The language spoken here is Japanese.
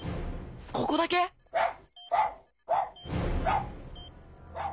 ここだけ⁉ええっ⁉